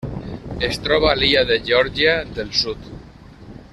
Es troba a l'illa de Geòrgia del Sud.